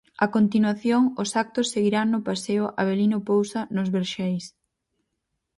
A continuación os actos seguirán no paseo Avelino Pousa nos Verxeis.